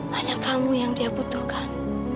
hanya kamu yang dia butuhkan